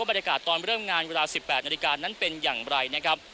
บรรยากาศตอนเริ่มงานเวลา๑๘นาฬิกานั้นเป็นอย่างไรนะครับ